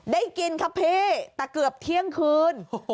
กินครับพี่แต่เกือบเที่ยงคืน